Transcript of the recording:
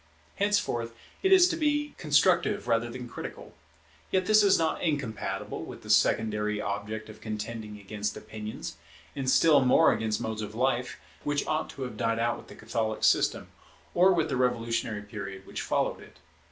Henceforth it is to be constructive rather than critical; yet this is not incompatible with the secondary object of contending against opinions, and still more against modes of life, which ought to have died out with the Catholic system, or with the revolutionary period which followed it.